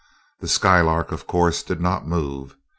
The Skylark, of course, did not move.